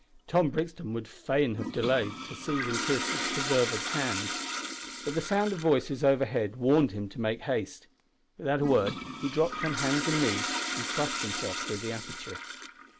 Tom Brixton would fain have delayed to seize and kiss his preserver's hand, but the sound of voices overhead warned him to make haste. Without a word he dropped on hands and knees and thrust himself through the aperture.